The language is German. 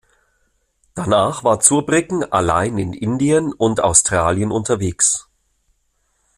Danach war Zurbriggen alleine in Indien und Australien unterwegs.